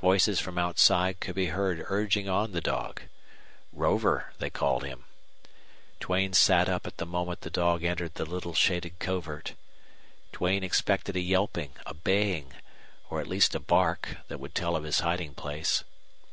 Voices from outside could be heard urging on the dog. Rover they called him. Duane sat up at the moment the dog entered the little shaded covert. Duane expected a yelping, a baying, or at least a bark that would tell of his hiding place.